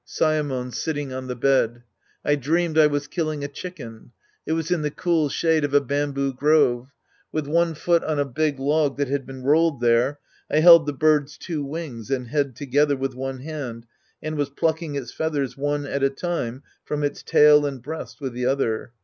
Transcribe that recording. Saemon {sitting on the bed). I dreamed I was killing a chicken. It was in the cool shade of a bamboo grove. With one foot on a big log that had been rolled there, I held the bird's two wings and head together with one hand and was plucking its feathers one at a time from its tail and breast with the other.